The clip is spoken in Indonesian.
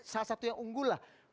salah satu yang unggul lah